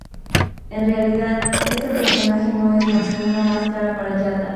En realidad, este personaje no es más que una máscara para Yata.